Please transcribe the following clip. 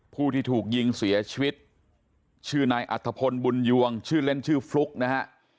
ผู้ที่ถูกยิงเสียชีวิตชื่อนายอัฐพลบุญยวงชื่อเล่นชื่อฟลุ๊กนะฮะ